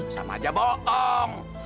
sama aja bohong